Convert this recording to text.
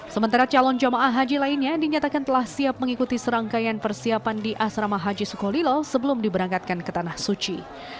sementara calon jemaah haji lainnya dinyatakan telah siap mengikuti serangkaian persiapan di asrama haji sukolilo sebelum diberangkatkan ke tanah suci